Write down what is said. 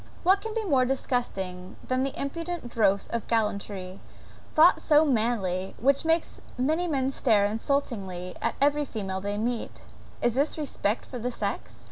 What can be more disgusting than that impudent dross of gallantry, thought so manly, which makes many men stare insultingly at every female they meet? Is this respect for the sex?